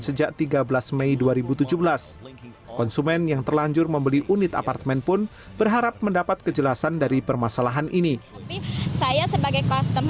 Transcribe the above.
sejak tiga belas mei dua ribu tujuh belas konsumen yang terlanjur membeli unit apartemen pun berharap mendapat kejelasan dari permasalahan ini